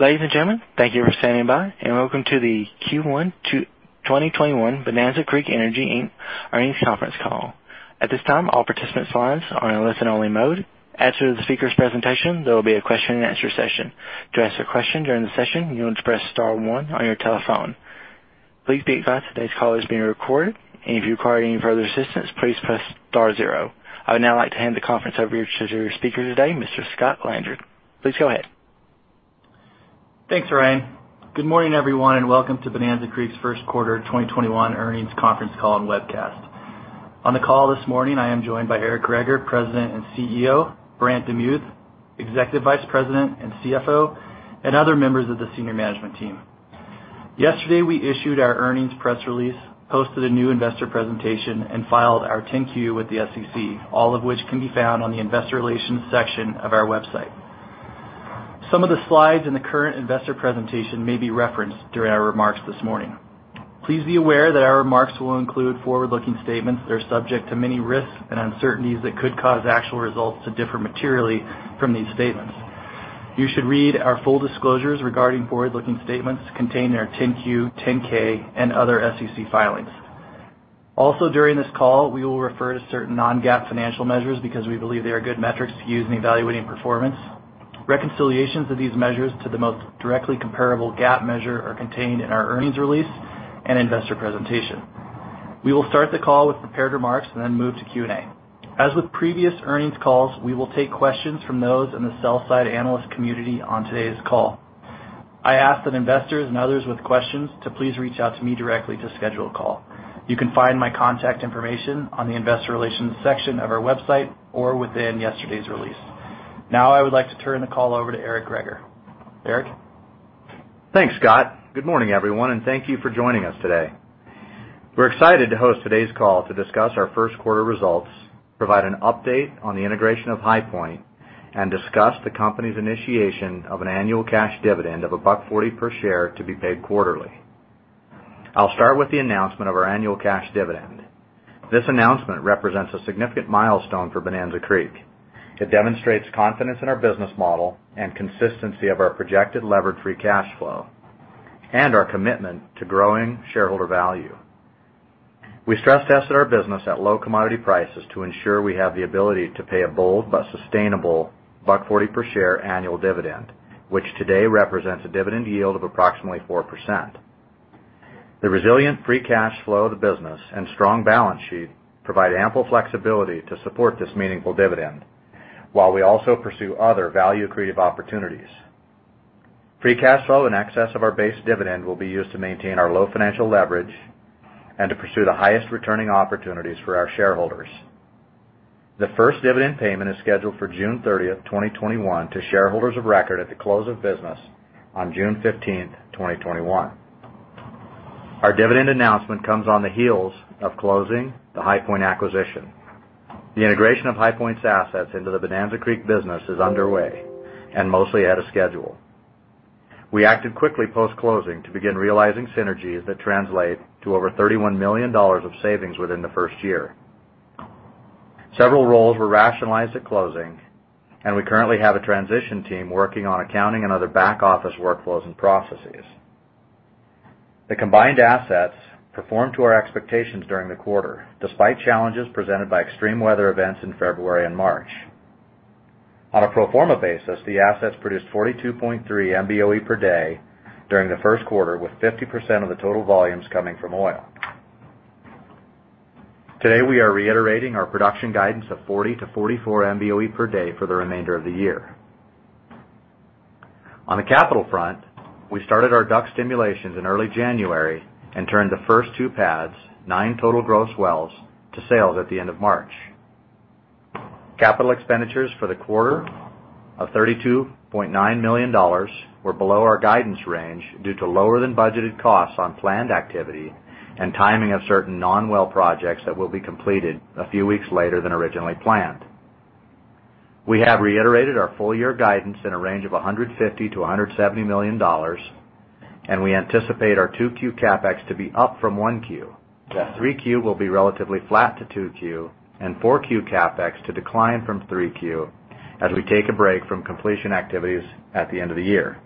Ladies and gentlemen, thank you for standing by, and welcome to the Q1 2021 Bonanza Creek Energy Inc earnings conference call. At this time all participants are in only listen mode. After the speakers presentation there will be a question and answer session. To ask a question during the session you will press star one on your telephone. Please note this call is being recorded. If you need assistance please press star zero. I would now like to hand the conference over to your speaker today, Mr. Scott Landreth. Please go ahead. Thanks, Ryan. Good morning, everyone, welcome to Bonanza Creek's first quarter 2021 earnings conference call and webcast. On the call this morning, I am joined by Eric Greager, President and CEO, Brant DeMuth, Executive Vice President and CFO, and other members of the senior management team. Yesterday, we issued our earnings press release, posted a new investor presentation, and filed our 10-Q with the SEC, all of which can be found on the investor relations section of our website. Some of the slides in the current investor presentation may be referenced during our remarks this morning. Please be aware that our remarks will include forward-looking statements that are subject to many risks and uncertainties that could cause actual results to differ materially from these statements. You should read our full disclosures regarding forward-looking statements contained in our 10-Q, 10-K, and other SEC filings. Also, during this call, we will refer to certain non-GAAP financial measures because we believe they are good metrics to use in evaluating performance. Reconciliations of these measures to the most directly comparable GAAP measure are contained in our earnings release and investor presentation. We will start the call with prepared remarks and then move to Q&A. As with previous earnings calls, we will take questions from those in the sell side analyst community on today's call. I ask that investors and others with questions to please reach out to me directly to schedule a call. You can find my contact information on the investor relations section of our website or within yesterday's release. I would like to turn the call over to Eric Greager. Eric? Thanks, Scott. Good morning, everyone, and thank you for joining us today. We're excited to host today's call to discuss our first quarter results, provide an update on the integration of HighPoint, and discuss the company's initiation of an annual cash dividend of $1.40 per share to be paid quarterly. I'll start with the announcement of our annual cash dividend. This announcement represents a significant milestone for Bonanza Creek. It demonstrates confidence in our business model and consistency of our projected levered free cash flow and our commitment to growing shareholder value. We stress-tested our business at low commodity prices to ensure we have the ability to pay a bold but sustainable $1.40 per share annual dividend, which today represents a dividend yield of approximately 4%. The resilient free cash flow of the business and strong balance sheet provide ample flexibility to support this meaningful dividend while we also pursue other value-creative opportunities. Free cash flow in excess of our base dividend will be used to maintain our low financial leverage and to pursue the highest returning opportunities for our shareholders. The first dividend payment is scheduled for June 30th, 2021, to shareholders of record at the close of business on June 15th, 2021. Our dividend announcement comes on the heels of closing the HighPoint acquisition. The integration of HighPoint's assets into the Bonanza Creek business is underway and mostly ahead of schedule. We acted quickly post-closing to begin realizing synergies that translate to over $31 million of savings within the first year. Several roles were rationalized at closing, and we currently have a transition team working on accounting and other back-office workflows and processes. The combined assets performed to our expectations during the quarter, despite challenges presented by extreme weather events in February and March. On a pro forma basis, the assets produced 42.3 MBOE per day during the first quarter, with 50% of the total volumes coming from oil. Today, we are reiterating our production guidance of 40-44 MBOE per day for the remainder of the year. On the capital front, we started our DUC stimulations in early January and turned the two pads, nine total gross wells, to sales at the end of March. Capital expenditures for the quarter of $32.9 million were below our guidance range due to lower than budgeted costs on planned activity and timing of certain non-well projects that will be completed a few weeks later than originally planned. We have reiterated our full year guidance in a range of $150 million-$170 million, and we anticipate our 2Q CapEx to be up from 1Q. 3Q will be relatively flat to 2Q, and 4Q CapEx to decline from 3Q as we take a break from completion activities at the end of the year.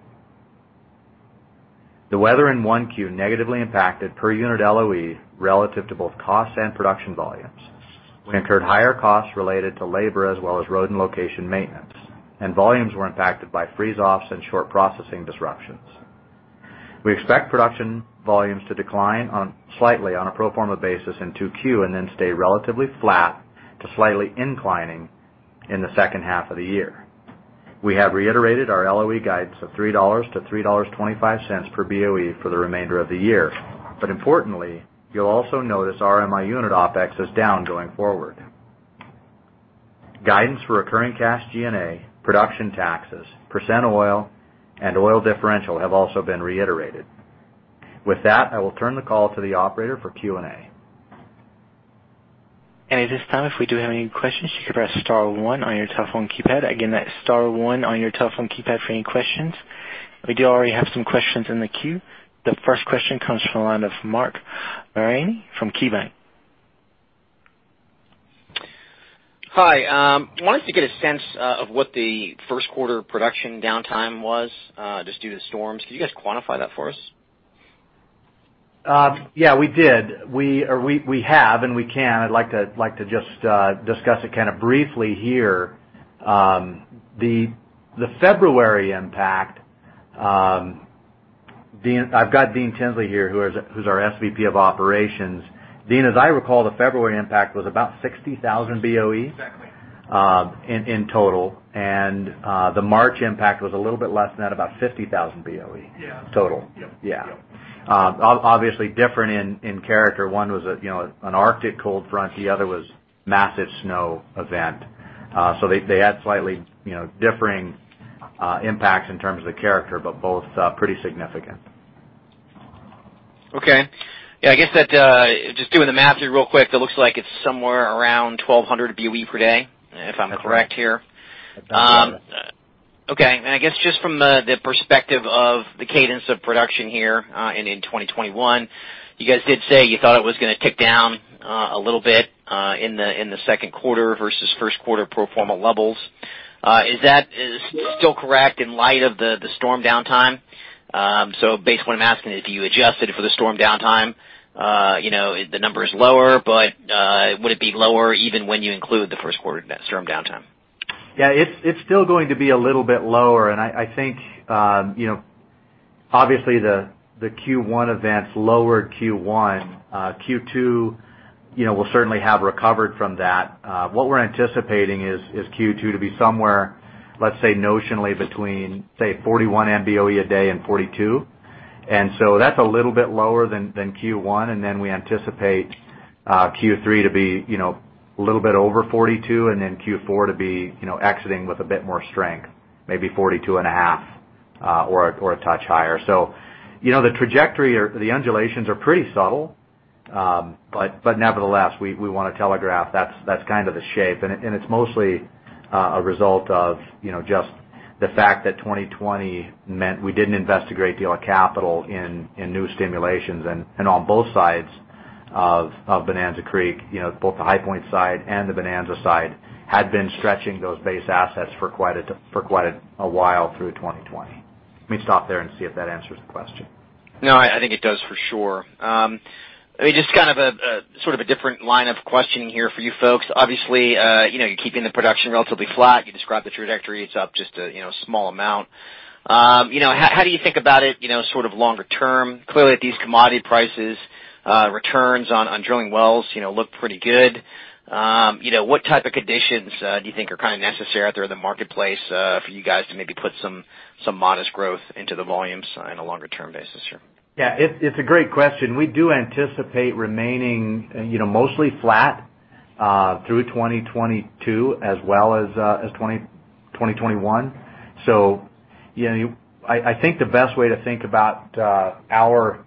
The weather in 1Q negatively impacted per unit LOE relative to both cost and production volumes. We incurred higher costs related to labor as well as road and location maintenance, and volumes were impacted by freeze-offs and short processing disruptions. We expect production volumes to decline slightly on a pro forma basis in 2Q and then stay relatively flat to slightly inclining in the second half of the year. We have reiterated our LOE guidance of $3 to $3.25 per BOE for the remainder of the year. Importantly, you'll also notice RMI unit OpEx is down going forward. Guidance for recurring cash G&A, production taxes, percent oil, and oil differential have also been reiterated. With that, I will turn the call to the operator for Q&A. At this time, if we do have any questions, you can press star one on your telephone keypad. Again, that's star one on your telephone keypad for any questions. We do already have some questions in the queue. The first question comes from the line of Mark Mariani from KeyBank. Hi. I wanted to get a sense of what the first quarter production downtime was, just due to storms. Could you guys quantify that for us? We did. We have, and we can. I'd like to just discuss it kind of briefly here. The February impact I've got Dean Tinsley here who's our SVP of Operations. Dean, as I recall, the February impact was about 60,000 BOE. Exactly. In total, and the March impact was a little bit less than that, about 50,000 BOE. Yeah. Total. Yep. Yeah. Yep. Obviously different in character. One was an arctic cold front, the other was massive snow event. They had slightly differing impacts in terms of the character, but both pretty significant. Okay. Yeah, I guess that, just doing the math here real quick, it looks like it's somewhere around 1,200 BOE per day, if I'm correct here. That sounds about right. Okay. I guess just from the perspective of the cadence of production here, in 2021, you guys did say you thought it was going to tick down a little bit in the second quarter versus first quarter pro forma levels. Is that still correct in light of the storm downtime? Basically, what I'm asking is, if you adjusted for the storm downtime, the number is lower, but would it be lower even when you include the first quarter storm downtime? Yeah, it's still going to be a little bit lower. I think, obviously, the Q1 events lowered Q1. Q2 will certainly have recovered from that. What we're anticipating is Q2 to be somewhere, let's say, notionally between, say, 41 MBOE a day and 42. That's a little bit lower than Q1, and then we anticipate Q3 to be a little bit over 42, and then Q4 to be exiting with a bit more strength, maybe 42.5, or a touch higher. The trajectory or the undulations are pretty subtle. Nevertheless, we want to telegraph that's kind of the shape. It's mostly a result of just the fact that 2020 meant we didn't invest a great deal of capital in new stimulations. On both sides of Bonanza Creek, both the HighPoint side and the Bonanza side, had been stretching those base assets for quite a while through 2020. Let me stop there and see if that answers the question. No, I think it does for sure. Just sort of a different line of questioning here for you folks. Obviously, you're keeping the production relatively flat. You described the trajectory. It's up just a small amount. How do you think about it sort of longer term? Clearly, at these commodity prices, returns on drilling wells look pretty good. What type of conditions do you think are kind of necessary out there in the marketplace for you guys to maybe put some modest growth into the volumes on a longer term basis here? Yeah. It's a great question. We do anticipate remaining mostly flat through 2022 as well as 2021. I think the best way to think about our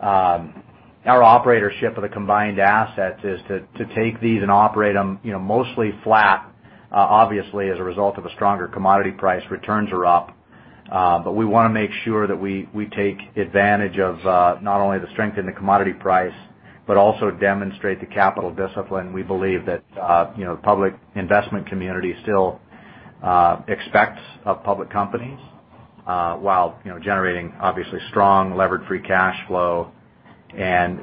operatorship of the combined assets is to take these and operate them mostly flat. Obviously, as a result of a stronger commodity price, returns are up. We want to make sure that we take advantage of not only the strength in the commodity price, but also demonstrate the capital discipline we believe that public investment community still expects of public companies, while generating, obviously, strong levered free cash flow.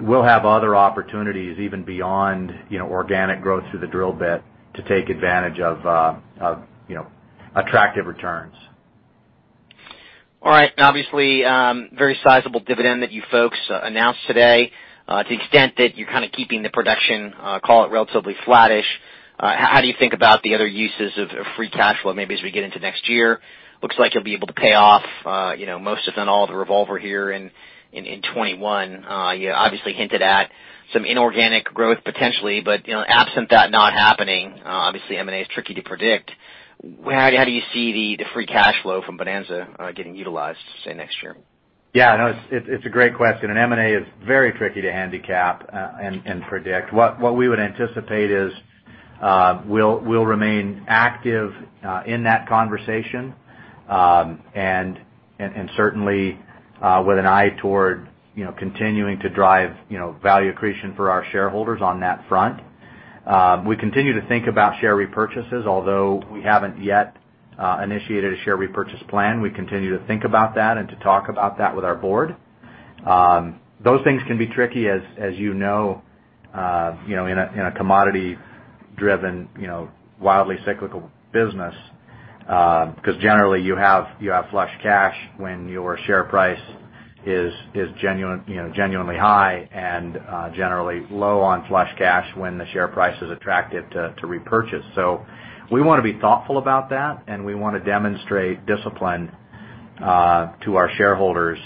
We'll have other opportunities even beyond organic growth through the drill bit to take advantage of attractive returns. All right. Obviously, very sizable dividend that you folks announced today. To the extent that you're kind of keeping the production, call it, relatively flattish, how do you think about the other uses of free cash flow, maybe as we get into next year? Looks like you'll be able to pay off most, if not all, of the revolver here in 2021. You obviously hinted at some inorganic growth, potentially. Absent that not happening, obviously M&A is tricky to predict. How do you see the free cash flow from Bonanza getting utilized, say, next year? No, it's a great question, and M&A is very tricky to handicap and predict. What we would anticipate is, we'll remain active in that conversation, and certainly with an eye toward continuing to drive value accretion for our shareholders on that front. We continue to think about share repurchases, although we haven't yet initiated a share repurchase plan. We continue to think about that and to talk about that with our board. Those things can be tricky as you know, in a commodity-driven, wildly cyclical business. Generally, you have flush cash when your share price is genuinely high, and generally low on flush cash when the share price is attractive to repurchase. We want to be thoughtful about that, and we want to demonstrate discipline to our shareholders.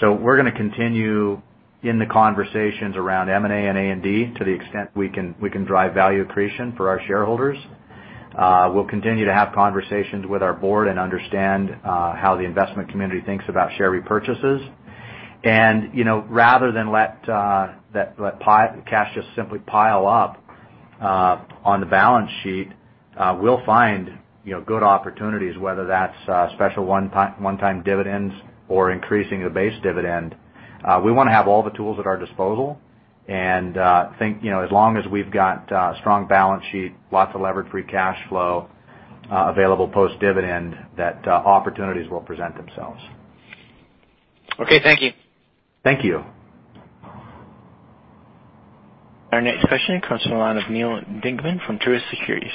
We're going to continue in the conversations around M&A and A&D to the extent we can drive value accretion for our shareholders. We'll continue to have conversations with our board and understand how the investment community thinks about share repurchases. Rather than let cash just simply pile up on the balance sheet, we'll find good opportunities, whether that's special one-time dividends or increasing the base dividend. We want to have all the tools at our disposal and think, as long as we've got a strong balance sheet, lots of levered free cash flow available post-dividend, that opportunities will present themselves. Okay, thank you. Thank you. Our next question comes from the line of Neal Dingmann from Truist Securities.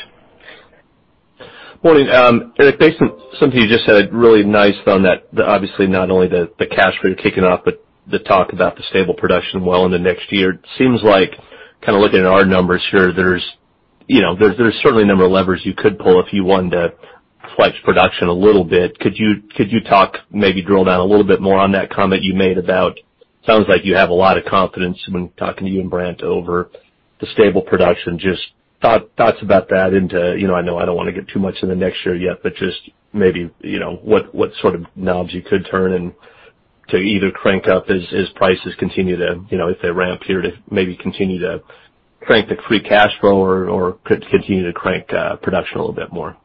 Morning. Eric, based on something you just said, really nice on that, obviously, not only the cash flow kicking off, but the talk about the stable production well into next year. Seems like, looking at our numbers here, there's certainly a number of levers you could pull if you wanted to flex production a little bit. Could you talk, maybe drill down a little bit more on that comment you made about sounds like you have a lot of confidence when talking to you and Brant over the stable production. Just thoughts about that into, I know I don't want to get too much into next year yet, but just maybe what sort of knobs you could turn and to either crank up as prices continue to, if they ramp here, to maybe continue to crank the free cash flow or could continue to crank production a little bit more?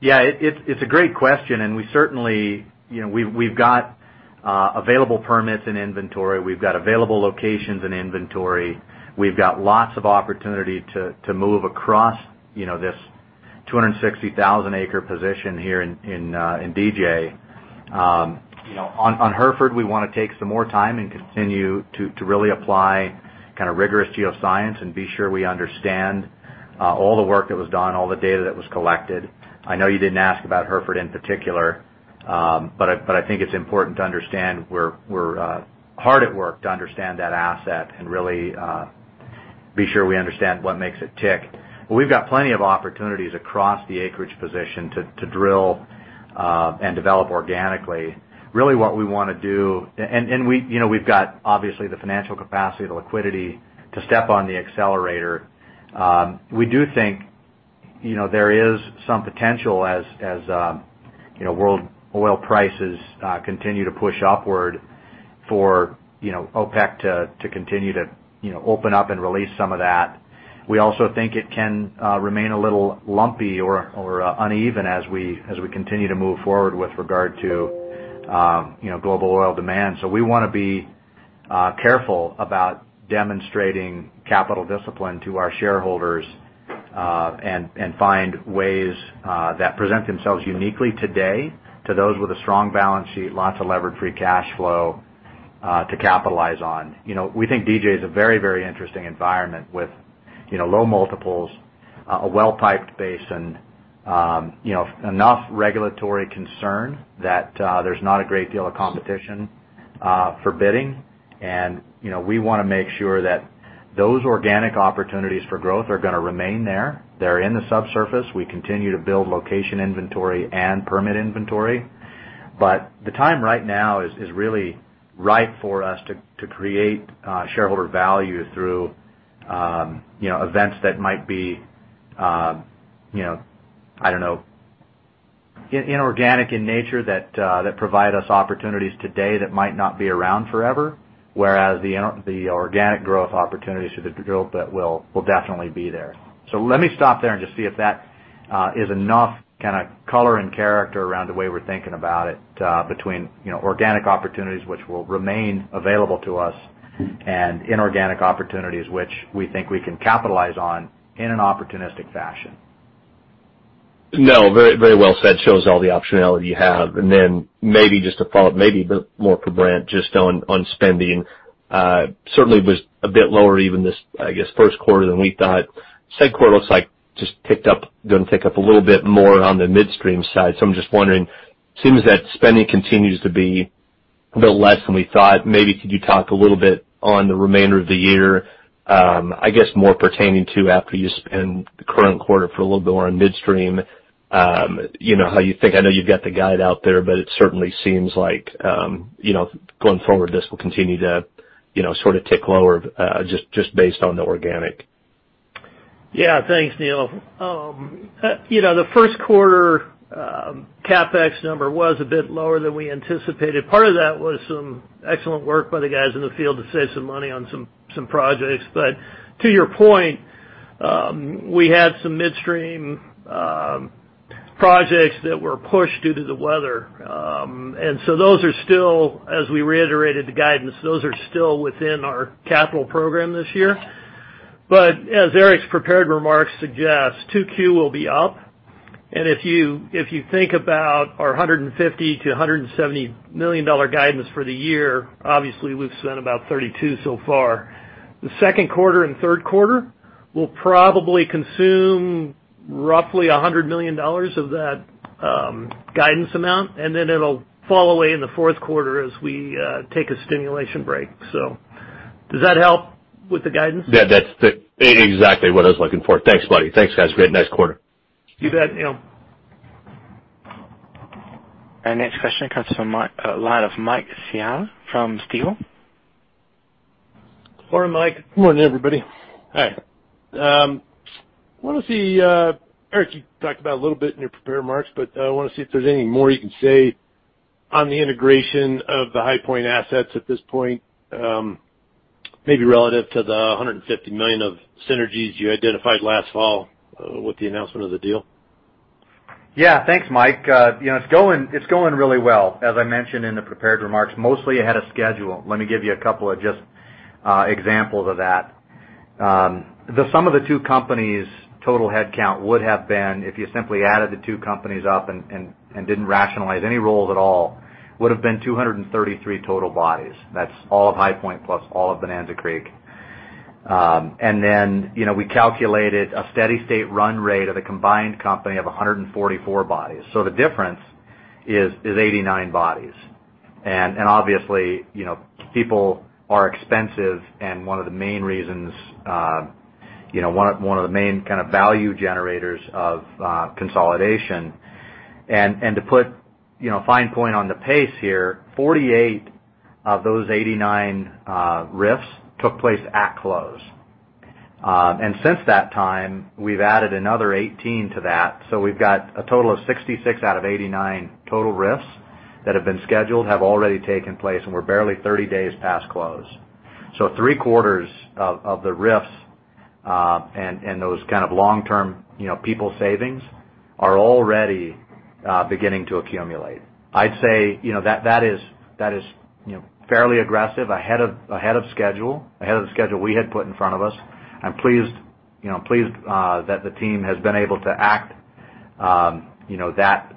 Yeah. It's a great question. We've got available permits and inventory. We've got available locations and inventory. We've got lots of opportunity to move across this 260,000 acre position here in DJ. On Hereford, we want to take some more time and continue to really apply rigorous geoscience and be sure we understand all the work that was done, all the data that was collected. I know you didn't ask about Hereford in particular, but I think it's important to understand we're hard at work to understand that asset and really be sure we understand what makes it tick. We've got plenty of opportunities across the acreage position to drill and develop organically. Really what we want to do-- and we've got, obviously, the financial capacity, the liquidity to step on the accelerator. We do think there is some potential as world oil prices continue to push upward for OPEC to continue to open up and release some of that. We also think it can remain a little lumpy or uneven as we continue to move forward with regard to global oil demand. We want to be careful about demonstrating capital discipline to our shareholders, and find ways that present themselves uniquely today to those with a strong balance sheet, lots of levered free cash flow to capitalize on. We think DJ is a very, very interesting environment with low multiples, a well-typed basin. Enough regulatory concern that there's not a great deal of competition for bidding. We want to make sure that those organic opportunities for growth are going to remain there. They're in the subsurface. We continue to build location inventory and permit inventory. The time right now is really ripe for us to create shareholder value through events that might be, I don't know, inorganic in nature that provide us opportunities today that might not be around forever, whereas the organic growth opportunities that will definitely be there. Let me stop there and just see if that is enough color and character around the way we're thinking about it between organic opportunities which will remain available to us and inorganic opportunities which we think we can capitalize on in an opportunistic fashion. No, very well said. Shows all the optionality you have. Then maybe just to follow up, maybe a bit more for Brent, just on spending. Certainly was a bit lower even this, I guess, first quarter than we thought. Second quarter looks like just going to pick up a little bit more on the midstream side. I'm just wondering, seems that spending continues to be a little less than we thought. Maybe could you talk a little bit on the remainder of the year? I guess more pertaining to after you spend the current quarter for a little bit more on midstream, how you think. I know you've got the guide out there, but it certainly seems like going forward, this will continue to sort of tick lower, just based on the organic. Yeah. Thanks, Neal. The first quarter CapEx number was a bit lower than we anticipated. Part of that was some excellent work by the guys in the field to save some money on some projects. To your point, we had some midstream projects that were pushed due to the weather. Those are still, as we reiterated the guidance, those are still within our capital program this year. As Eric's prepared remarks suggest, 2Q will be up. If you think about our $150 million to $170 million guidance for the year, obviously we've spent about $32 so far. The second quarter and third quarter will probably consume roughly $100 million of that guidance amount, and then it'll fall away in the fourth quarter as we take a stimulation break. Does that help with the guidance? Yeah, that's exactly what I was looking for. Thanks, buddy. Thanks, guys. Great. Nice quarter. You bet, Neal. Our next question comes from the line of Mike Scialla from Stifel. Morning, Mike. Morning, everybody. Hi. I want to see, Eric, you talked about a little bit in your prepared remarks, but I want to see if there's any more you can say on the integration of the HighPoint assets at this point, maybe relative to the $150 million of synergies you identified last fall with the announcement of the deal. Thanks, Mike. It's going really well, as I mentioned in the prepared remarks, mostly ahead of schedule. Let me give you a couple of just examples of that. The sum of the two companies' total headcount would have been, if you simply added the two companies up and didn't rationalize any roles at all, would've been 233 total bodies. That's all of HighPoint plus all of Bonanza Creek. We calculated a steady state run rate of a combined company of 144 bodies. The difference is 89 bodies. Obviously, people are expensive and one of the main kind of value generators of consolidation. To put a fine point on the pace here, 48 of those 89 RIFs took place at close. Since that time, we've added another 18 to that, we've got a total of 66 out of 89 total RIFs that have been scheduled, have already taken place, and we're barely 30 days past close. Three-quarters of the RIFs, and those kind of long-term people savings are already beginning to accumulate. I'd say that is fairly aggressive, ahead of schedule we had put in front of us. I'm pleased that the team has been able to act that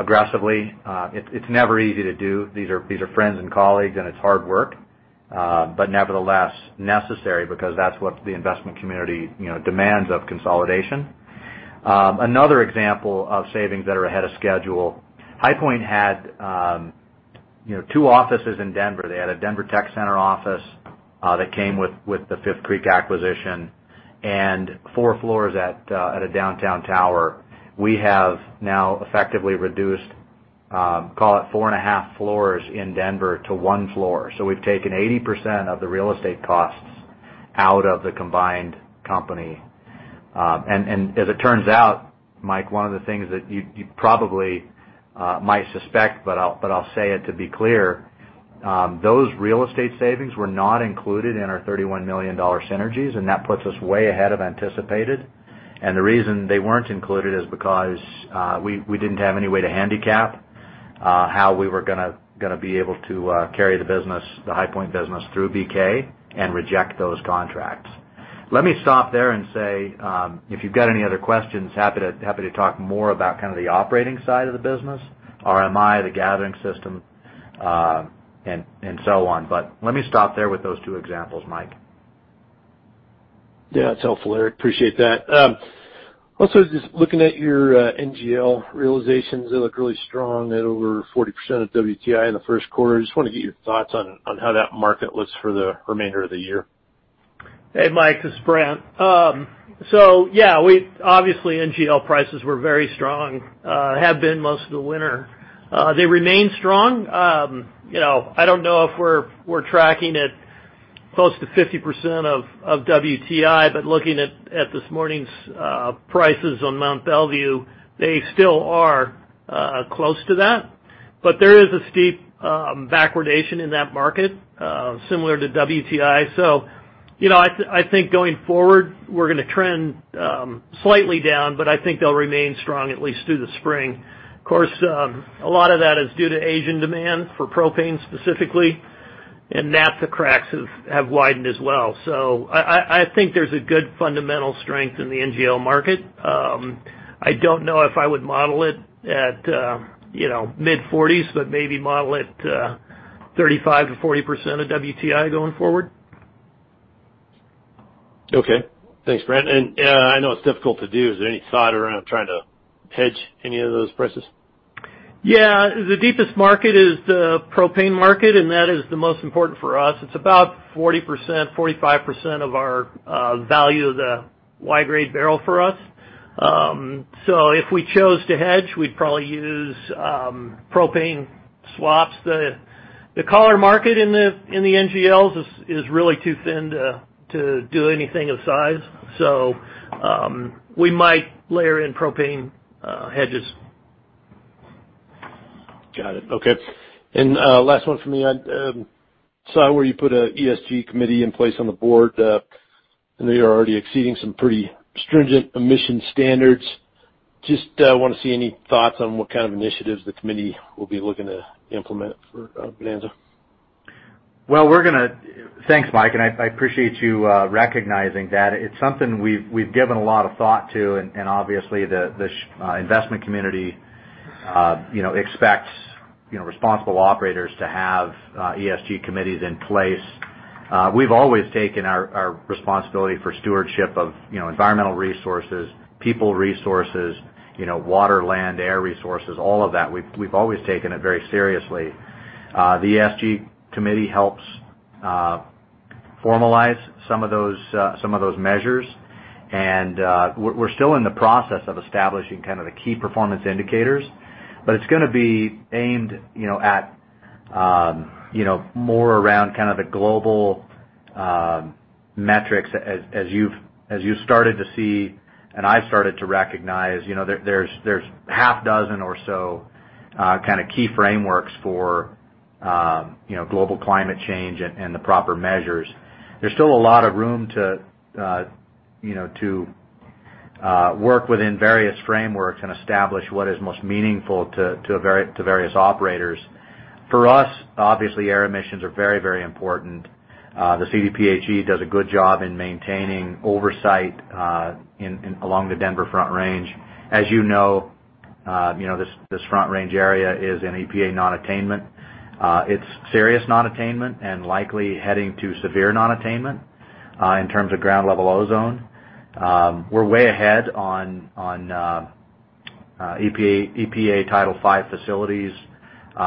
aggressively. It's never easy to do. These are friends and colleagues, and it's hard work. Nevertheless, necessary because that's what the investment community demands of consolidation. Another example of savings that are ahead of schedule, HighPoint had two offices in Denver. They had a Denver tech center office, that came with the Fifth Creek acquisition, and four floors at a downtown tower. We have now effectively reduced, call it 4.5 floors in Denver to one floor. We've taken 80% of the real estate costs out of the combined company. As it turns out, Mike, one of the things that you probably might suspect, but I'll say it to be clear, those real estate savings were not included in our $31 million synergies, that puts us way ahead of anticipated. The reason they weren't included is because, we didn't have any way to handicap how we were going to be able to carry the HighPoint business through BK and reject those contracts. Let me stop there and say, if you've got any other questions, happy to talk more about kind of the operating side of the business, RMI, the gathering system, and so on. Let me stop there with those two examples, Mike. Yeah, it's helpful, Eric. Appreciate that. Also, just looking at your NGL realizations, they look really strong at over 40% of WTI in the first quarter. I just want to get your thoughts on how that market looks for the remainder of the year. Hey, Mike, this is Brant. Yeah, obviously NGL prices were very strong, have been most of the winter. They remain strong. I don't know if we're tracking at close to 50% of WTI, looking at this morning's prices on Mont Belvieu, they still are close to that. There is a steep backwardation in that market, similar to WTI. I think going forward, we're going to trend slightly down, I think they'll remain strong at least through the spring. Of course, a lot of that is due to Asian demand for propane specifically, naphtha cracks have widened as well. I think there's a good fundamental strength in the NGL market. I don't know if I would model it at mid-40s, maybe model it 35%-40% of WTI going forward. Okay. Thanks, Brant. I know it's difficult to do, is there any thought around trying to hedge any of those prices? Yeah. The deepest market is the propane market, and that is the most important for us. It's about 40%-45% of our value of the Y-grade barrel for us. If we chose to hedge, we'd probably use propane swaps. The collar market in the NGLs is really too thin to do anything of size, so we might layer in propane hedges. Got it. Okay. Last one from me. I saw where you put an ESG committee in place on the board. I know you're already exceeding some pretty stringent emission standards. Just want to see any thoughts on what kind of initiatives the committee will be looking to implement for Bonanza. Thanks, Mike. I appreciate you recognizing that. It's something we've given a lot of thought to. Obviously, the investment community expects responsible operators to have ESG committees in place. We've always taken our responsibility for stewardship of environmental resources, people resources, water, land, air resources, all of that. We've always taken it very seriously. The ESG committee helps formalize some of those measures. We're still in the process of establishing kind of the key performance indicators. It's going to be aimed more around kind of the global metrics as you've started to see, and I've started to recognize. There's half-dozen or so kind of key frameworks for global climate change and the proper measures. There's still a lot of room to work within various frameworks and establish what is most meaningful to various operators. For us, obviously, air emissions are very, very important. The CDPHE does a good job in maintaining oversight along the Denver Front Range. As you know, this Front Range area is an EPA nonattainment. It's serious nonattainment and likely heading to severe nonattainment, in terms of ground-level ozone. We're way ahead on EPA Title V facilities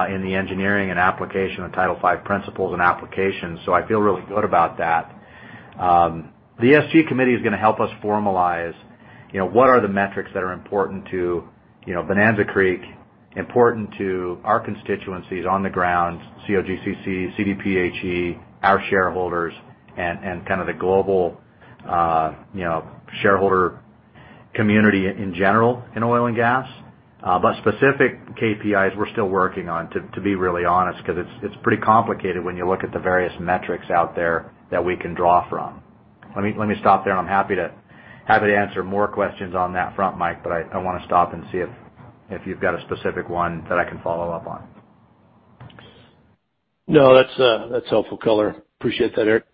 in the engineering and application of Title V principles and applications. I feel really good about that. The ESG committee is going to help us formalize what are the metrics that are important to Bonanza Creek, important to our constituencies on the ground, COGCC, CDPHE, our shareholders, and the global shareholder community in general in oil and gas. Specific KPIs we're still working on, to be really honest, because it's pretty complicated when you look at the various metrics out there that we can draw from. Let me stop there. I'm happy to answer more questions on that front, Mike, but I want to stop and see if you've got a specific one that I can follow up on. No, that's helpful color. Appreciate that, Eric.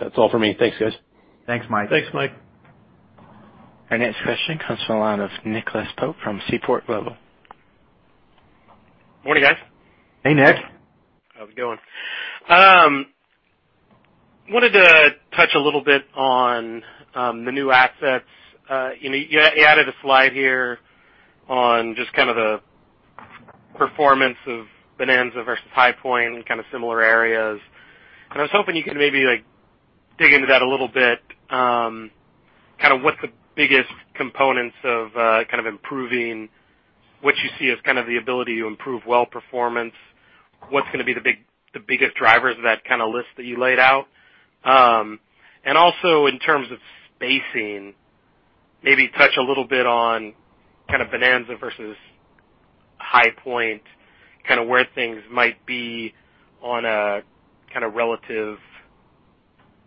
That's all for me. Thanks, guys. Thanks, Mike Scialla. Thanks, Mike. Our next question comes from the line of Nicholas Pope from Seaport Global. Morning, guys. Hey, Nick. How's it going? Wanted to touch a little bit on the new assets. You added a slide here on just the performance of Bonanza Creek versus HighPoint and similar areas. I was hoping you could maybe dig into that a little bit. What's the biggest components of improving what you see as the ability to improve well performance? What's going to be the biggest drivers of that list that you laid out? Also, in terms of spacing, maybe touch a little bit on Bonanza Creek versus HighPoint, where things might be on a relative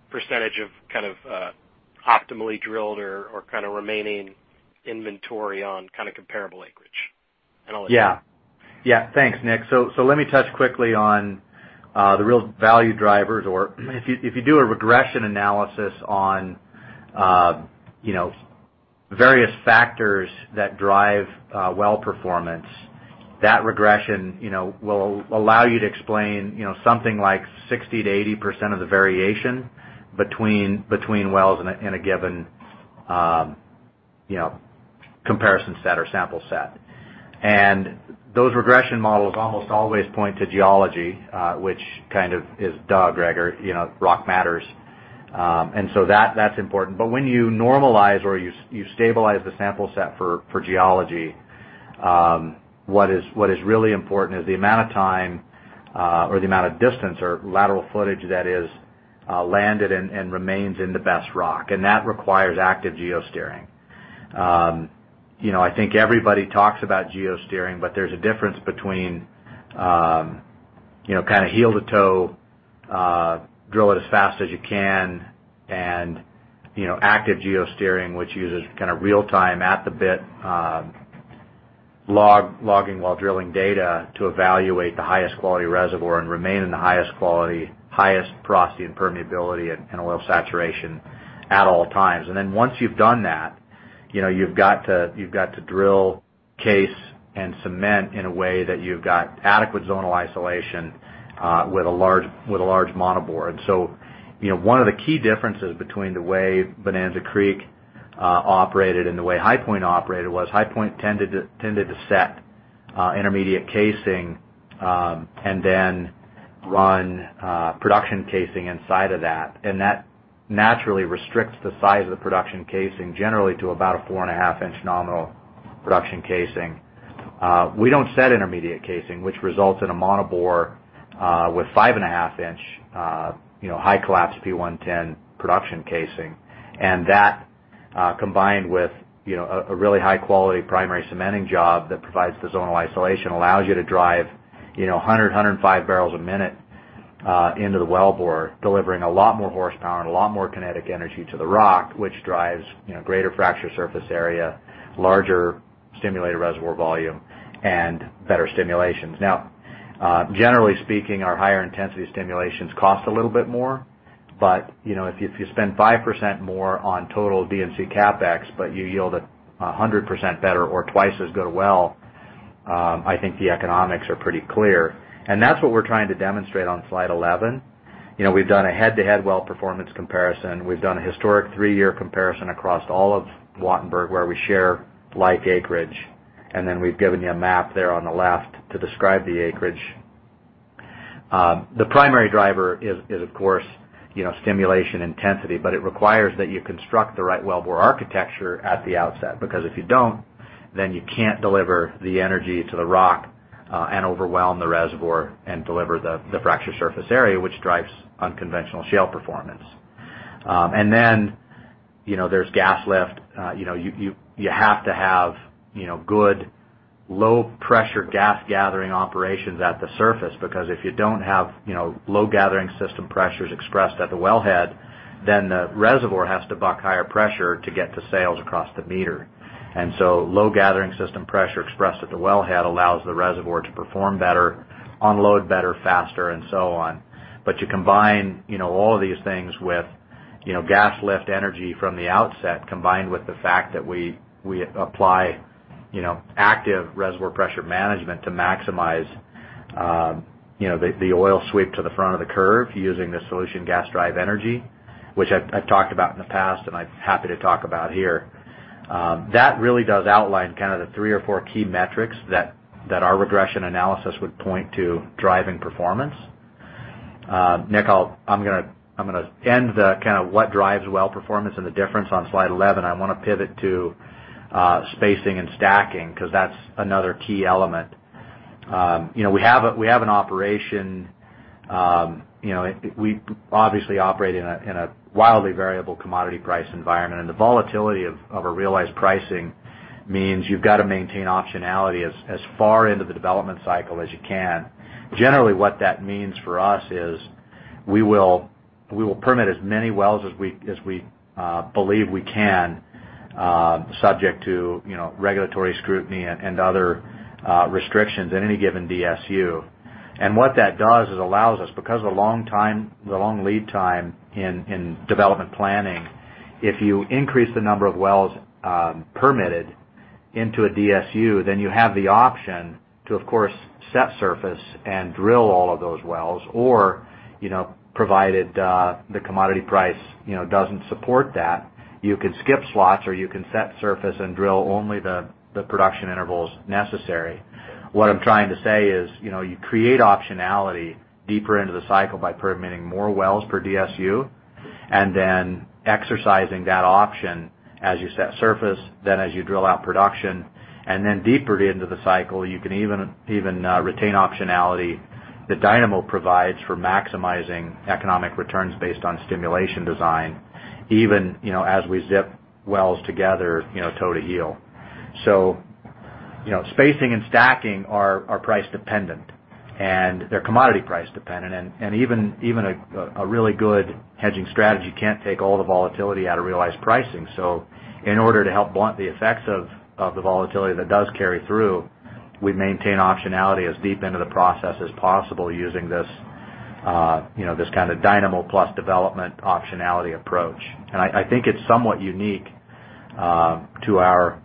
percentage of optimally drilled or remaining inventory on comparable acreage. I'll let you. Yeah. Thanks, Nick. Let me touch quickly on the real value drivers, or if you do a regression analysis on various factors that drive well performance, that regression will allow you to explain something like 60%-80% of the variation between wells in a given comparison set or sample set. Those regression models almost always point to geology, which is duh, Greager, rock matters. That's important. When you normalize or you stabilize the sample set for geology, what is really important is the amount of time or the amount of distance or lateral footage that has landed and remains in the best rock. That requires active geosteering. I think everybody talks about geosteering, but there's a difference between heel to toe, drill it as fast as you can, and active geosteering, which uses real-time at-the-bit logging while drilling data to evaluate the highest quality reservoir and remain in the highest quality, highest porosity and permeability, and oil saturation at all times. Then once you've done that, you've got to drill, case, and cement in a way that you've got adequate zonal isolation with a large monobore. One of the key differences between the way Bonanza Creek operated and the way HighPoint operated was HighPoint tended to set intermediate casing and then run production casing inside of that. That naturally restricts the size of the production casing, generally to about a 4.5 in nominal production casing. We don't set intermediate casing, which results in a monobore with 5.5 in high collapse P110 production casing. That, combined with a really high-quality primary cementing job that provides the zonal isolation, allows you to drive 100-105 bbl a minute into the wellbore, delivering a lot more horsepower and a lot more kinetic energy to the rock, which drives greater fracture surface area, larger stimulated reservoir volume, and better stimulations. Generally speaking, our higher intensity stimulations cost a little bit more. If you spend 5% more on total D&C CapEx, but you yield 100% better or twice as good a well, I think the economics are pretty clear. That's what we're trying to demonstrate on slide 11. We've done a head-to-head well performance comparison. We've done a historic three-year comparison across all of Wattenberg where we share like acreage, then we've given you a map there on the left to describe the acreage. The primary driver is, of course, stimulation intensity, but it requires that you construct the right wellbore architecture at the outset, because if you don't, then you can't deliver the energy to the rock and overwhelm the reservoir and deliver the fracture surface area, which drives unconventional shale performance. There's gas lift. You have to have good low pressure gas gathering operations at the surface because if you don't have low gathering system pressures expressed at the wellhead, then the reservoir has to buck higher pressure to get to sales across the meter. Low gathering system pressure expressed at the wellhead allows the reservoir to perform better, unload better, faster, and so on. You combine all of these things with gas lift energy from the outset, combined with the fact that we apply active reservoir pressure management to maximize the oil sweep to the front of the curve using the solution gas drive energy, which I've talked about in the past, and I'm happy to talk about here. That really does outline kind of the three or four key metrics that our regression analysis would point to driving performance. Nick, I'm going to end the what drives well performance and the difference on slide 11. I want to pivot to spacing and stacking, because that's another key element. We have an operation. We obviously operate in a wildly variable commodity price environment, and the volatility of a realized pricing means you've got to maintain optionality as far into the development cycle as you can. Generally, what that means for us is we will permit as many wells as we believe we can subject to regulatory scrutiny and other restrictions at any given DSU. What that does is allows us, because of the long lead time in development planning, if you increase the number of wells permitted into a DSU, then you have the option to, of course, set surface and drill all of those wells. Provided the commodity price doesn't support that, you can skip slots or you can set surface and drill only the production intervals necessary. What I'm trying to say is you create optionality deeper into the cycle by permitting more wells per DSU, and then exercising that option as you set surface, then as you drill out production, and then deeper into the cycle, you can even retain optionality that Dynamo provides for maximizing economic returns based on stimulation design, even as we zip wells together toe to heel. Spacing and stacking are price dependent, and they're commodity price dependent, and even a really good hedging strategy can't take all the volatility out of realized pricing. In order to help blunt the effects of the volatility that does carry through, we maintain optionality as deep into the process as possible using this kind of Dynamo plus development optionality approach. I think it's somewhat unique to our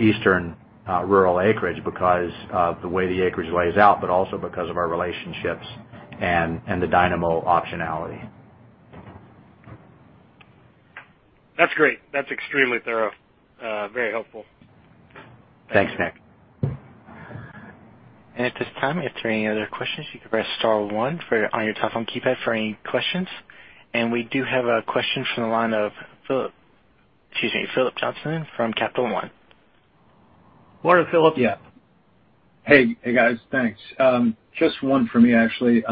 eastern rural acreage because of the way the acreage lays out, but also because of our relationships and the Dynamo optionality. That's great. That's extremely thorough. Very helpful. Thanks, Nick. At this time, if there are any other questions, you can press star one on your telephone keypad for any questions. We do have a question from the line of Phillips Johnston from Capital One. Morning, Phillips. Yeah. Hey, guys, thanks. Just one for me, actually.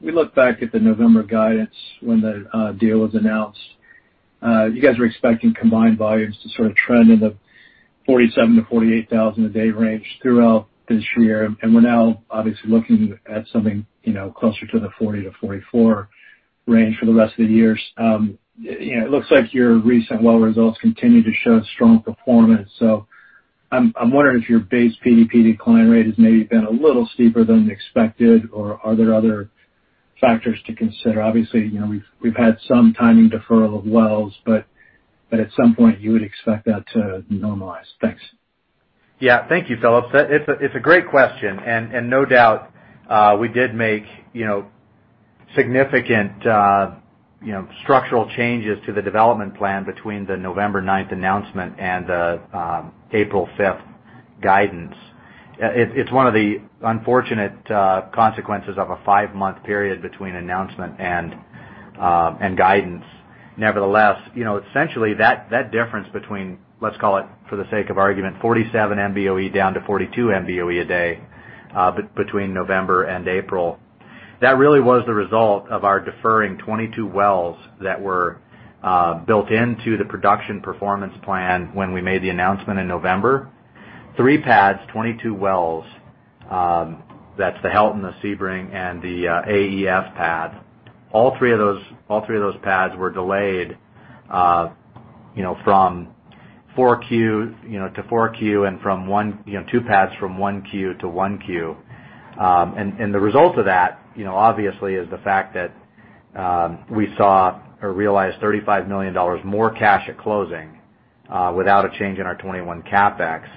We look back at the November guidance when the deal was announced. You guys were expecting combined volumes to sort of trend in the 47,000-48,000 a day range throughout this year, and we're now obviously looking at something closer to the 40-44 range for the rest of the year. It looks like your recent well results continue to show strong performance. I'm wondering if your base PDP decline rate has maybe been a little steeper than expected, or are there other factors to consider? Obviously, we've had some timing deferral of wells, but at some point, you would expect that to normalize. Thanks. Yeah. Thank you, Philip. It's a great question, and no doubt, we did make significant structural changes to the development plan between the November ninth announcement and the April fifth guidance. It's one of the unfortunate consequences of a five-month period between announcement and guidance. Nevertheless, essentially, that difference between, let's call it for the sake of argument, 47 MBOE down to 42 MBOE a day between November and April. That really was the result of our deferring 22 wells that were built into the production performance plan when we made the announcement in November. three pads, 22 wells. That's the Helton, the Sebring, and the AEF pad. All three of those pads were delayed to 4Q and two pads from 1Q to 1Q. The result of that, obviously, is the fact that we saw or realized $35 million more cash at closing without a change in our 2021 CapEx.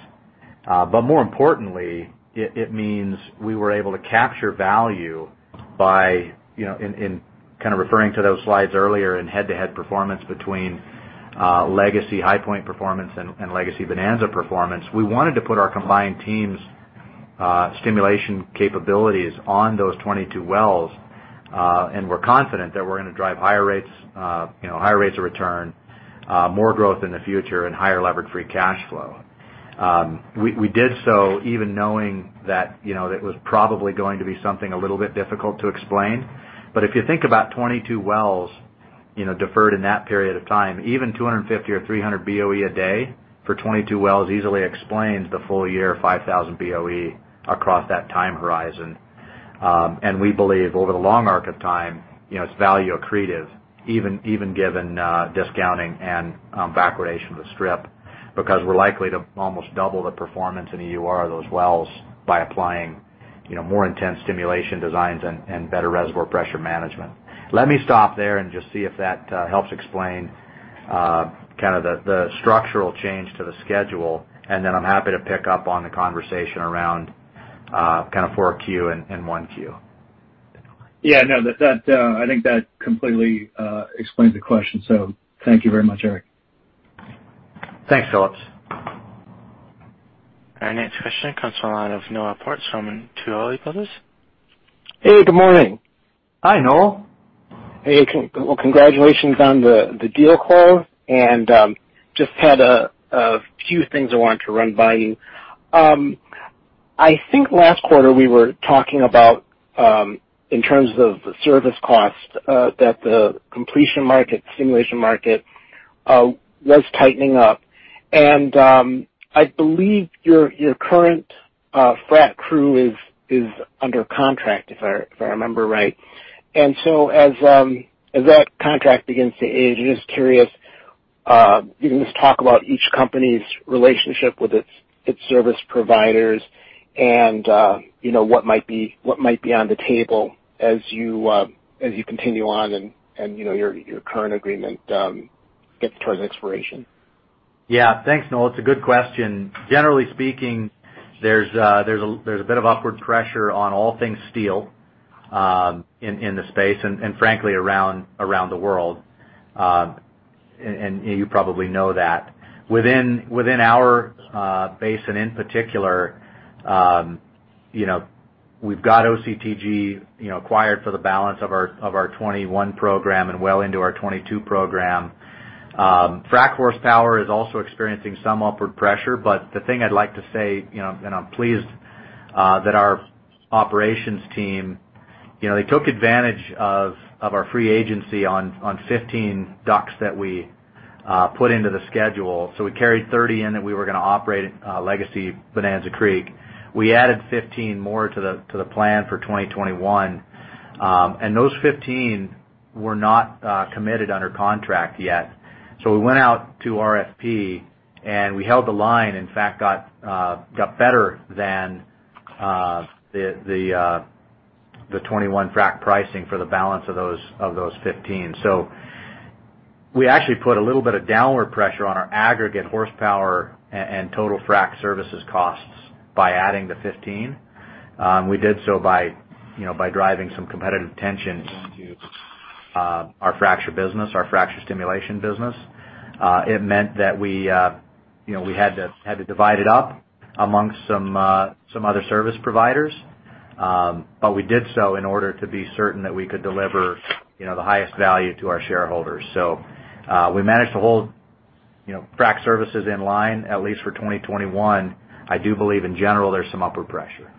More importantly, it means we were able to capture value by, in kind of referring to those slides earlier in head-to-head performance between legacy HighPoint performance and legacy Bonanza Creek performance. We wanted to put our combined teams' stimulation capabilities on those 22 wells, and we're confident that we're going to drive higher rates of return, more growth in the future, and higher levered free cash flow. We did so even knowing that it was probably going to be something a little bit difficult to explain. If you think about 22 wells deferred in that period of time, even 250 or 300 BOE a day for 22 wells easily explains the full year 5,000 BOE across that time horizon. We believe over the long arc of time, it's value accretive, even given discounting and backwardation of the strip, because we're likely to almost double the performance in the UR of those wells by applying more intense stimulation designs and better reservoir pressure management. Let me stop there and just see if that helps explain the structural change to the schedule, then I am happy to pick up on the conversation around 4Q and 1Q. Yeah, no. I think that completely explains the question. Thank you very much, Eric. Thanks, Phillips. Our next question comes from the line of Noel Parks from Tuohy Brothers. Hey, good morning. Hi, Noel. Hey. Well, congratulations on the deal close, and just had a few things I wanted to run by you. I think last quarter we were talking about, in terms of the service cost, that the completion market, stimulation market, was tightening up. I believe your current frac crew is under contract, if I remember right. As that contract begins to age, I'm just curious, can you just talk about each company's relationship with its service providers and what might be on the table as you continue on and your current agreement gets towards expiration? Yeah. Thanks, Noel. It's a good question. Generally speaking, there's a bit of upward pressure on all things steel in the space, and frankly, around the world. You probably know that. Within our basin in particular, we've got OCTG acquired for the balance of our 2021 program and well into our 2022 program. Frac horsepower is also experiencing some upward pressure. The thing I'd like to say, and I'm pleased that our operations team, they took advantage of our free agency on 15 DUCs that we put into the schedule. We carried 30 in that we were going to operate at Legacy Bonanza Creek. We added 15 more to the plan for 2021. Those 15 were not committed under contract yet. We went out to RFP and we held the line, in fact got better than the 2021 frac pricing for the balance of those 15. We actually put a little bit of downward pressure on our aggregate horsepower and total frac services costs by adding the 15. We did so by driving some competitive tension into our fracture business, our fracture stimulation business. It meant that we had to divide it up amongst some other service providers, but we did so in order to be certain that we could deliver the highest value to our shareholders. We managed to hold frac services in line, at least for 2021. I do believe in general, there's some upward pressure.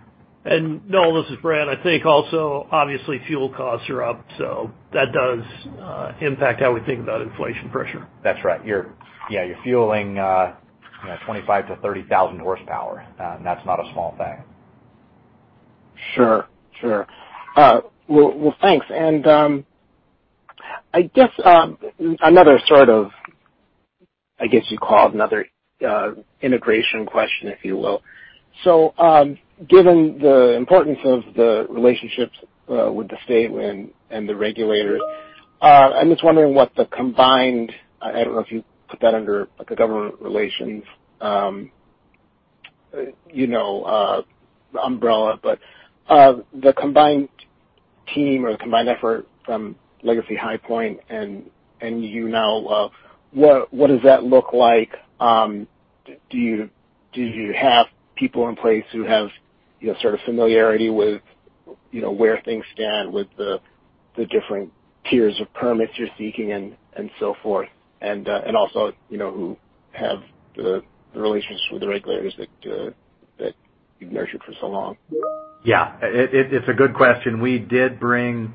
Noel, this is Brant. I think also, obviously, fuel costs are up, so that does impact how we think about inflation pressure. That's right. Yeah, you're fueling 25,000 horsepower-30,000 horsepower, and that's not a small thing. Sure. Well, thanks. I guess another sort of, I guess you'd call it another integration question, if you will. Given the importance of the relationships with the state and the regulators, I'm just wondering what the combined, I don't know if you put that under, like, the government relations umbrella. The combined team or the combined effort from legacy HighPoint and you now, what does that look like? Do you have people in place who have sort of familiarity with where things stand with the different tiers of permits you're seeking and so forth? And also who have the relationships with the regulators that you've nurtured for so long? Yeah. It's a good question. We did bring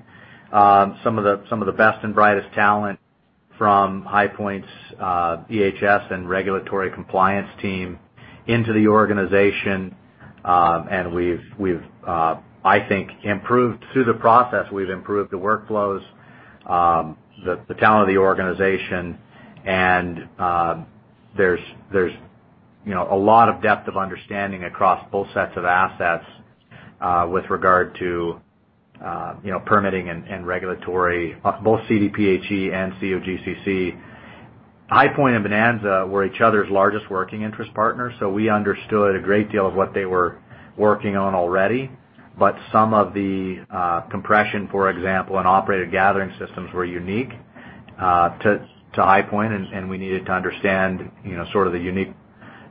some of the best and brightest talent from HighPoint's EHS and regulatory compliance team into the organization. We've, I think, improved through the process. We've improved the workflows, the talent of the organization, and there's a lot of depth of understanding across both sets of assets with regard to permitting and regulatory, both CDPHE and COGCC. HighPoint and Bonanza were each other's largest working interest partners, so we understood a great deal of what they were working on already. Some of the compression, for example, and operated gathering systems were unique to HighPoint, and we needed to understand sort of the unique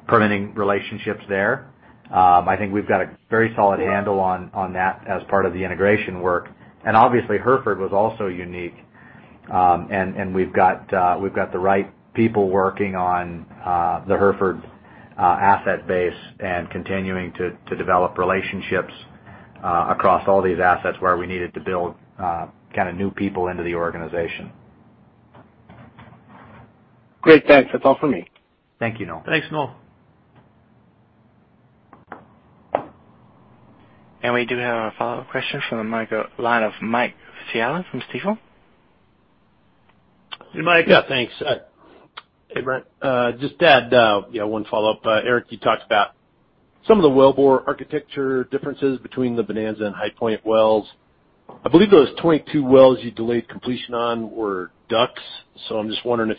permitting relationships there. I think we've got a very solid handle on that as part of the integration work. Obviously, Hereford was also unique. We've got the right people working on the Hereford asset base and continuing to develop relationships across all these assets where we needed to build new people into the organization. Great, thanks. That's all for me. Thank you, Noel. Thanks, Noel. We do have a follow question from the line of Mike Scialla from Stifel. Hey, Mike. Yeah, thanks. Hey, Brant. Just to add one follow-up. Eric, you talked about some of the wellbore architecture differences between the Bonanza and HighPoint wells. I believe those 22 wells you delayed completion on were DUCs, so I'm just wondering if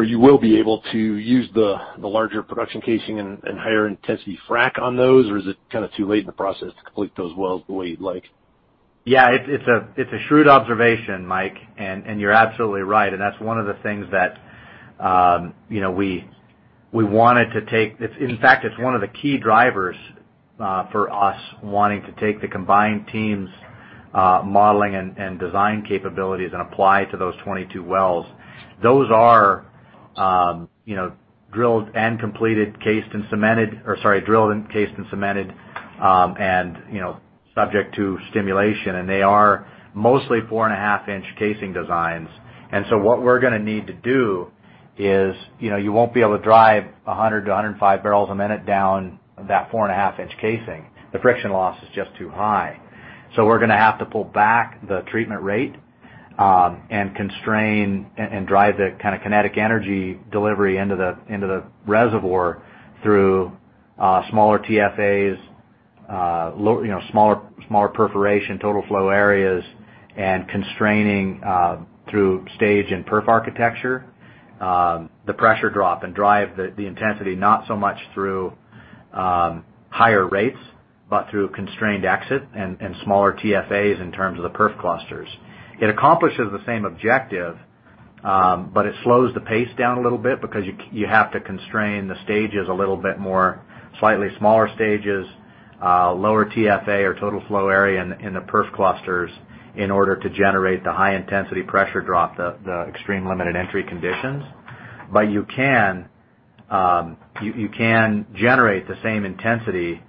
you will be able to use the larger production casing and higher intensity frack on those, or is it too late in the process to complete those wells the way you'd like? Yeah, it's a shrewd observation, Mike, and you're absolutely right. That's one of the things that we wanted to take. In fact, it's one of the key drivers for us wanting to take the combined teams' modeling and design capabilities and apply to those 22 wells. Those are drilled and completed, cased and cemented, or sorry, drilled and cased and cemented, and subject to stimulation. They are mostly four-and-a-half inch casing designs. What we're going to need to do is, you won't be able to drive 100-105 bbl a minute down that four-and-a-half inch casing. The friction loss is just too high. We're going to have to pull back the treatment rate and constrain and drive the kinetic energy delivery into the reservoir through smaller TFAs, smaller perforation, total flow areas, and constraining through stage and perf architecture, the pressure drop, and drive the intensity not so much through higher rates, but through constrained exit and smaller TFAs in terms of the perf clusters. It accomplishes the same objective, but it slows the pace down a little bit because you have to constrain the stages a little bit more, slightly smaller stages, lower TFA or total flow area in the perf clusters in order to generate the high intensity pressure drop, the extreme limited entry conditions. You can generate the same intensity,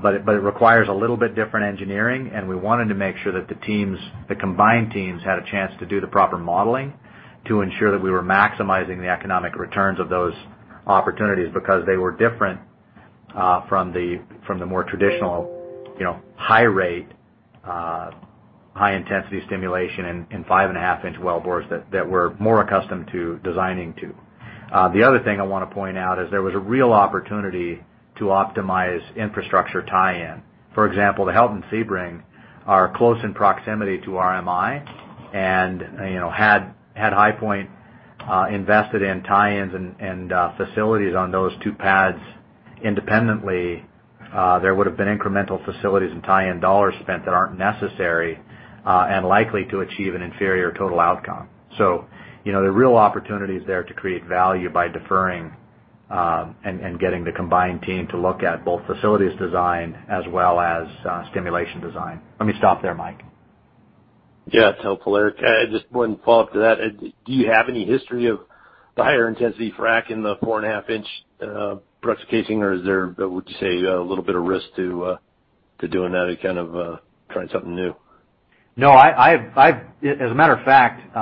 but it requires a little bit different engineering, and we wanted to make sure that the combined teams had a chance to do the proper modeling to ensure that we were maximizing the economic returns of those opportunities because they were different from the more traditional high rate, high intensity stimulation in 5.5 in wellbores that we're more accustomed to designing to. The other thing I want to point out is there was a real opportunity to optimize infrastructure tie-in. For example, the Helton and Sebring are close in proximity to RMI, and had HighPoint invested in tie-ins and facilities on those two pads independently, there would've been incremental facilities and tie-in dollars spent that aren't necessary and likely to achieve an inferior total outcome. The real opportunity is there to create value by deferring and getting the combined team to look at both facilities design as well as stimulation design. Let me stop there, Mike. Yeah, it's helpful, Eric. Just one follow-up to that. Do you have any history of the higher intensity frack in the four-and-a-half inch production casing, or would you say a little bit of risk to doing that and trying something new? No. As a matter of fact,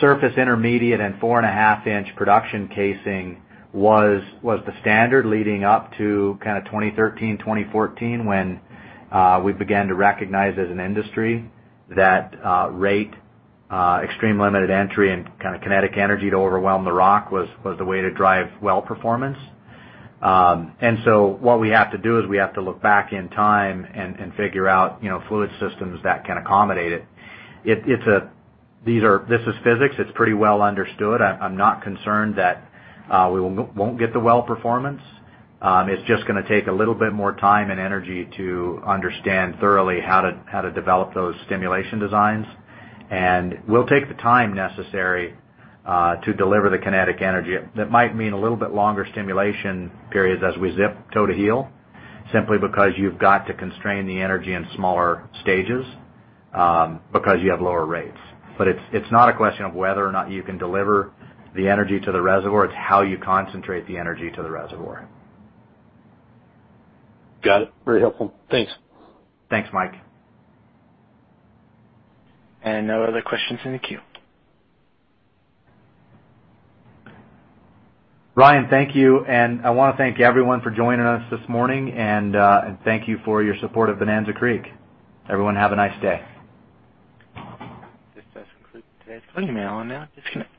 surface intermediate and 4.5 in production casing was the standard leading up to 2013-2014, when we began to recognize as an industry that rate extreme limited entry and kinetic energy to overwhelm the rock was the way to drive well performance. What we have to do is we have to look back in time and figure out fluid systems that can accommodate it. This is physics. It's pretty well understood. I'm not concerned that we won't get the well performance. It's just going to take a little bit more time and energy to understand thoroughly how to develop those stimulation designs. We'll take the time necessary to deliver the kinetic energy. That might mean a little bit longer stimulation periods as we zip toe to heel, simply because you've got to constrain the energy in smaller stages because you have lower rates. It's not a question of whether or not you can deliver the energy to the reservoir, it's how you concentrate the energy to the reservoir. Got it. Very helpful. Thanks. Thanks, Mike. No other questions in the queue. Ryan, thank you. I want to thank everyone for joining us this morning, and thank you for your support of Bonanza Creek. Everyone have a nice day. This does conclude today's call. You may all now disconnect.